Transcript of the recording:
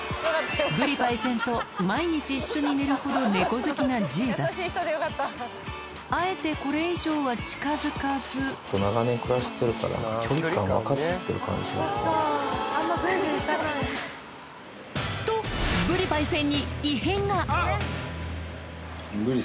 ぶりパイセンと毎日一緒に寝るほど猫好きなジーザスあえてこれ以上は近づかずとダッセェ。